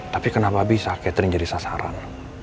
tapi kenapa bisa catering jadi sasaran